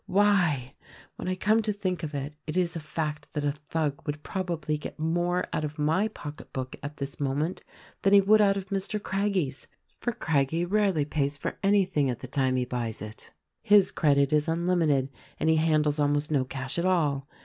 Why! when I come to think of it, it is a fact that a thug would probably get more out of my pocketbook at this moment than he would out of Mr. Craggie's — for Craggie rarely pays for anything at the time he buys it — his credit is unlimited and he handles almost no cash at all.